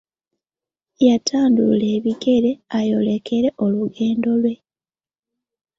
Yatandulula ebigere ayolekere olugendo lwe.